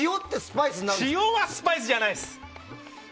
塩はスパイスじゃない。